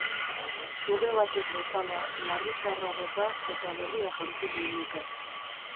Suge batek bezala, larru zaharra bota, eta berria jantzi nahi nuke.